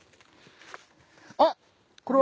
あっこれは？